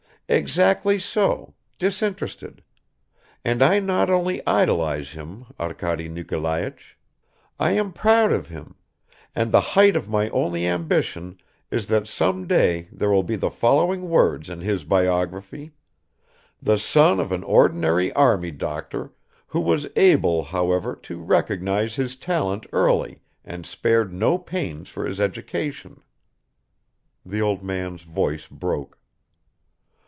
"Exactly so, disinterested. And I not only idolize him, Arkady Nikolaich, I am proud of him, and the height of my only ambition is that some day there will be the following words in his biography: 'The son of an ordinary army doctor, who was able, however, to recognize his talent early and spared no pains for his education ...'" The old man's voice broke.